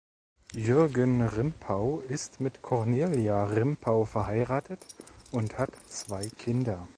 Jürgen Rimpau ist mit Cornelia Rimpau verheiratet und hat zwei Kinder.